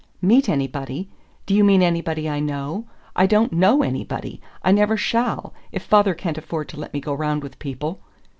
"Meet anybody? Do you mean anybody I know? I don't KNOW anybody I never shall, if father can't afford to let me go round with people!"